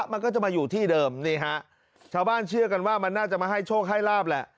มันก็จะมาอยู่ที่เดิมนี่ฮะชาวบ้านเชื่อกันว่ามันน่าจะมาให้โชคให้ลาบแหละ